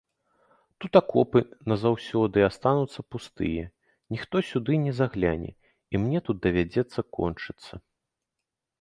Тут акопы назаўсёды астануцца пустыя, ніхто сюды не загляне, і мне тут давядзецца кончыцца.